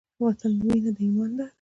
د وطن مینه له ایمانه ده.